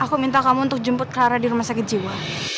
aku minta kamu untuk jemput ke arah di rumah sakit jiwa